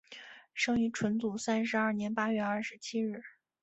生于纯祖三十二年八月二十七日。